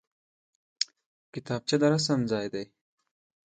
کتابچه د رسم ځای دی